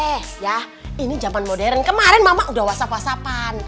eh ya ini zaman modern kemarin mama udah whatsapp whatsappan